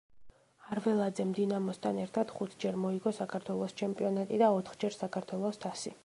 არველაძემ დინამოსთან ერთად ხუთჯერ მოიგო საქართველოს ჩემპიონატი და ოთხჯერ საქართველოს თასი.